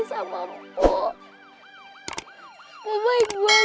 gidau langsung nyetir endless humor